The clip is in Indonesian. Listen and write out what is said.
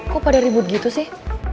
kok pada ribut gitu sih